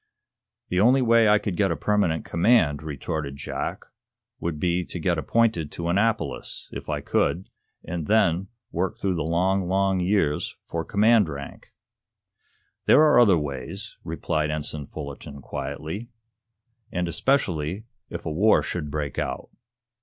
"The only way I could get a permanent command," retorted Jack, "would be to get appointed to Annapolis, if I could, and then work through the long, long years for command rank." "There are other ways," replied Ensign Fullerton, quietly. "And especially, if a war should break out.